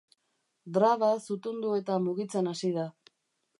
Drava zutundu eta mugitzen hasi da.